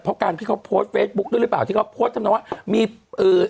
เพราะการที่เขาโพสต์เฟซบุ๊คด้วยหรือเปล่าที่เขาโพสต์ทำนองว่ามีเอ่อ